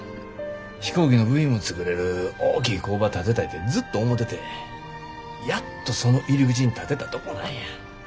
飛行機の部品も作れる大きい工場建てたいてずっと思ててやっとその入り口に立てたとこなんや。